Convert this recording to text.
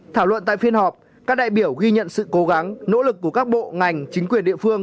thảo luận tại phiên họp các đại biểu ghi nhận sự cố gắng nỗ lực của các bộ ngành chính quyền địa phương